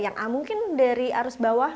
yang a mungkin dari arus bawah